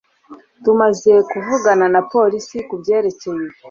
Tumaze kuvugana na polisi kubyerekeye